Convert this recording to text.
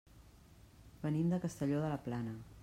Venim de Castelló de la Plana.